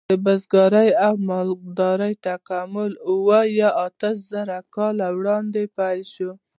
د بزګرۍ او مالدارۍ تکامل اوه یا اته زره کاله وړاندې پیل شو.